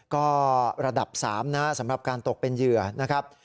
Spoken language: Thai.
ก็ระดับ๓นะครับสำหรับการตกเป็นเหยื่อนะครับ